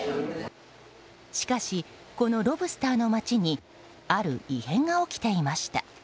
しかし、このロブスターの町にある異変が起きていました。